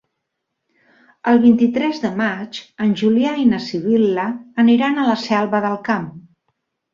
El vint-i-tres de maig en Julià i na Sibil·la aniran a la Selva del Camp.